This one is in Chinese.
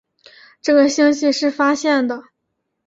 这个星系是发现的。